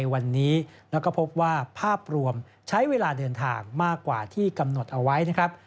วันนี้แล้วก็พบว่าภาพรวมใช้เวลาเดินทางมากกว่าที่กำหนดเอาไว้นะครับ